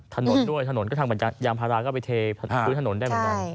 ถนนด้วยยางพาราก็ไปเทจุ้นถนนได้เหมือนกัน